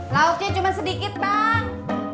lauknya cuma sedikit bang